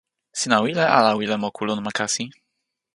sina wile ala wile moku lon ma kasi?